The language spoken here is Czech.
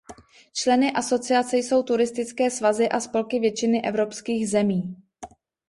Členy asociace jsou turistické svazy a spolky většiny evropských zemí.